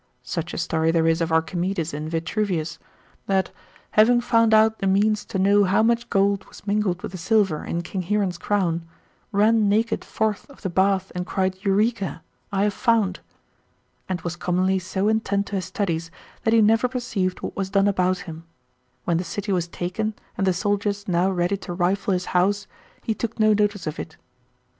Such a story there is of Archimedes in Vitruvius, that having found out the means to know how much gold was mingled with the silver in king Hieron's crown, ran naked forth of the bath and cried ἕυρηκα, I have found: and was commonly so intent to his studies, that he never perceived what was done about him: when the city was taken, and the soldiers now ready to rifle his house, he took no notice of it.